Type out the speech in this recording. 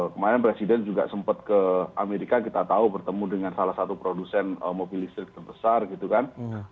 kemarin presiden juga sempat ke amerika kita tahu bertemu dengan salah satu produsen mobil listrik terbesar gitu kan